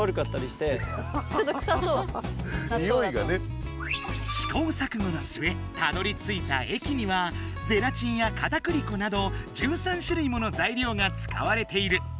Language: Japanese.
しこうさくごのすえたどりついた液にはゼラチンやかたくり粉など１３種類もの材料がつかわれている。